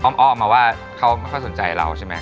อ้อมมาว่าเขาไม่ค่อยสนใจเราใช่ไหม